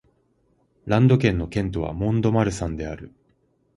ランド県の県都はモン＝ド＝マルサンである